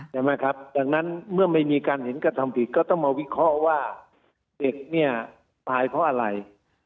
จากนั้นเมื่อไม่มีการเห็นการกระทำผิดก็ต้องมาวิเคราะห์ว่าเด็กเนี่ยตายเพราะอะไร